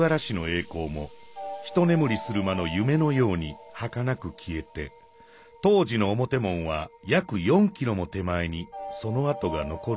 栄光も一ねむりする間の夢のようにはかなくきえて当時のおもて門はやく４キロも手前にその跡が残るだけだ。